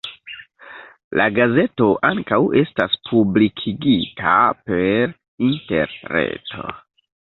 La gazeto ankaŭ estas publikigita per interreto.